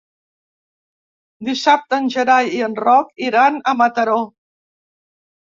Dissabte en Gerai i en Roc iran a Mataró.